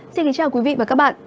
xin kính chào quý vị và các bạn